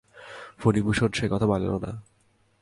ফণিভূষণ সে কথা মানিল না।